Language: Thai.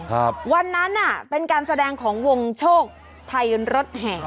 ครับวันนั้นเป็นการแสดงของวงโชคไทยรถแห่ง